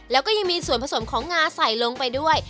แล้วก็ยังมีส่วนผสมของงาใส่ลงไปด้วย